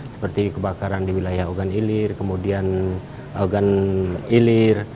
seperti kebakaran di wilayah ogan ilir kemudian ogan ilir